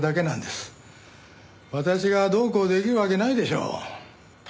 私がどうこうできるわけないでしょう。